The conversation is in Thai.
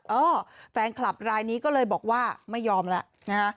เออแฟนคลับรายนี้ก็เลยบอกว่าไม่ยอมแล้วนะฮะ